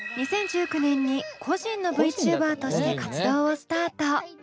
２０１９年に個人のＶチューバーとして活動をスタート。